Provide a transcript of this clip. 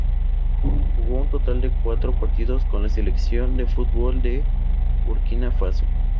Jugó un total de cuatro partidos con la selección de fútbol de Burkina Faso.